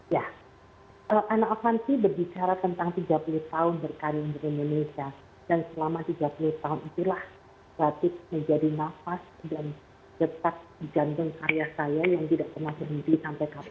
ya anak afansi berbicara tentang tiga puluh tahun berkanim di indonesia dan selama tiga puluh tahun itulah batik menjadi nafas dan getak di jantung karya saya yang tidak pernah terhenti sampai kapal saya